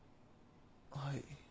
はい。